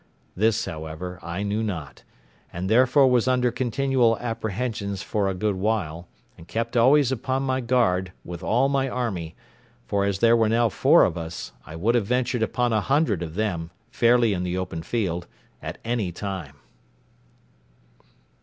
This, however, I knew not; and therefore was under continual apprehensions for a good while, and kept always upon my guard, with all my army: for, as there were now four of us, I would have ventured upon a hundred of them, fairly in the open field, at any time.